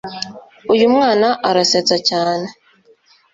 uyu mwana arasetsa cyane